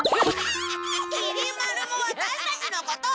きり丸もワタシたちのことを！